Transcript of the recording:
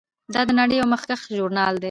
دا د نړۍ یو مخکښ ژورنال دی.